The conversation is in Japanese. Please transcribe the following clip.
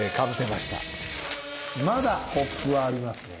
まだコップはありますね。